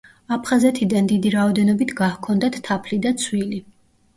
აფხაზეთიდან დიდი რაოდენობით გაჰქონდათ თაფლი და ცვილი.